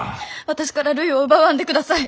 ・私からるいを奪わんでください。